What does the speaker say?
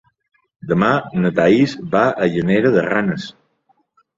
Demà na Thaís va a Llanera de Ranes.